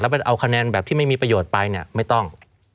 แล้วก็ไปเอาคะแนนแบบที่ไม่มีประโยชน์ไว้ไม่ต้อง